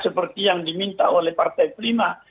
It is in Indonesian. seperti yang diminta oleh partai prima